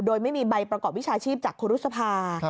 โดยไม่มีใบประกอบวิชาชีพจากครูรุษภา